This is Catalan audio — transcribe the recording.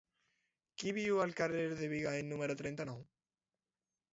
Qui viu al carrer de Bigai número trenta-nou?